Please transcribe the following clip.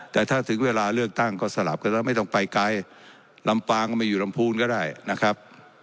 แต่ถ้าถึงเวลาเลือกตั้งก็สลับกันแล้วไม่ต้องไปไกลลำปางก็ไม่อยู่ลำพูนก็ได้นะครับ